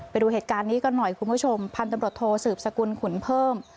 ไปดูเหตุการณ์นี้กันหน่อยคุณผู้ชมพันธุ์ตำรวจโทสืบสกุลขุนเพิ่ม